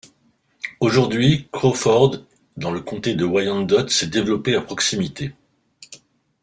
Aujourd'hui, Crawford dans le comté de Wyandot s'est développé à proximité.